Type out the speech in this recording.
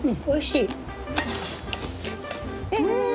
おいしい。